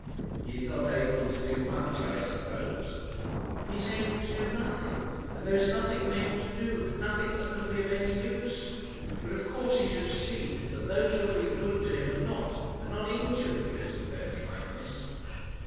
"He is not able to do much, I suppose." "He is able to do nothing, and there is nothing for him to do nothing that can be of any use. But of course he should see that those who have been good to him are not are not injured because of their kindness."